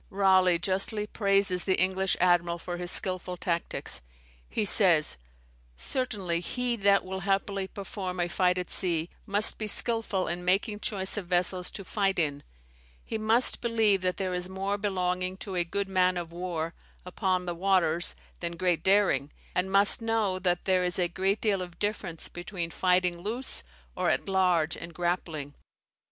Raleigh justly praises the English admiral for his skilful tactics. He says, [Historie of the World, p. 791.] "Certainly, he that will happily perform a fight at sea, must be skillful in making choice of vessels to fight in; he must believe that there is more belonging to a good man of war, upon the waters, than great daring; and must know that there is a great deal of difference between fighting loose or at large and grappling.